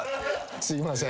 すいません